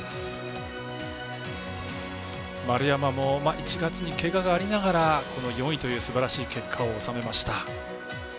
丸山も１月に、けががありながら４位というすばらしい結果を収めました。